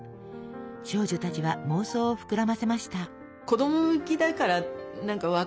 少女たちは妄想を膨らませました。